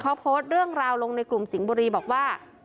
เขาโพสต์เรื่องราวลงในกลุ่มสิงห์บุรีบอกว่า